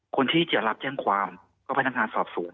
คนที่จะรับแจ้งความก็พนักงานสอบสวน